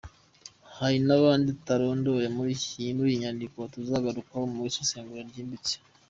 Hari n’abandi tutarondoye muri iyi nyandiko tuzagarukaho mu isesengura ryimbitse.